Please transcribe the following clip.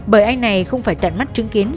bởi anh này không phải tận mắt chứng kiến